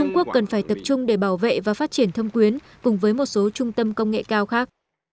quốc cần phải tập trung để bảo vệ và phát triển thâm quyến cùng với một số trung tâm công nghệ cao khác